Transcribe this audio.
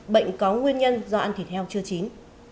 bệnh có nguyên nhân do ăn thịt heo chưa chín